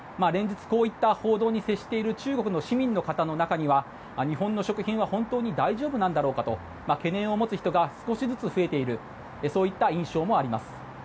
連日こういった報道に接している中国の市民の方の中には日本の食品は本当に大丈夫なんだろうかと懸念を持つ人が少しずつ増えているそういった印象もあります。